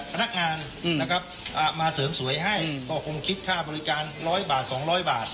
พนักงานอืมนะครับอ่ะมาเสริมสวยให้อืมก็คงคิดค่าบริการร้อยบาทสองร้อยบาท